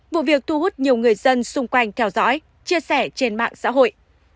vụ việc thu hút nhiều người dân xung quanh theo dõi chia sẻ trên mạng xã hội